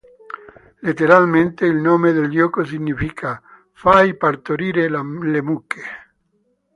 Letteralmente, il nome del gioco significa "fai partorire le mucche".